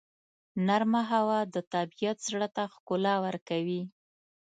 نرمه هوا د طبیعت زړه ته ښکلا ورکوي.